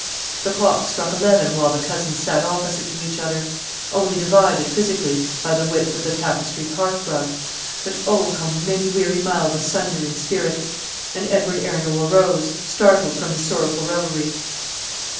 The clock struck eleven while the cousins sat opposite to each other, only divided, physically, by the width of the tapestried hearth rug; but, oh, how many weary miles asunder in spirit! and Edward Arundel rose, startled from his sorrowful reverie.